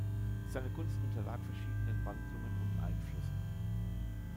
Seine Kunst unterlag verschiedenen Wandlungen und Einflüssen.